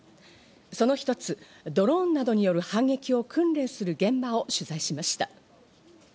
その一つ、ドローンなどによる反撃を訓練する現場を取材しました。